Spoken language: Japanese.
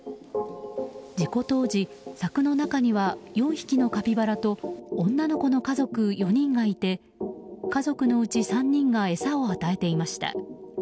事故当時、柵の中には４匹のカピバラと女の子の家族４人がいて家族のうち３人が餌を与えていました。